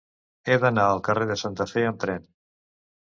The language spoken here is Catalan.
He d'anar al carrer de Santa Fe amb tren.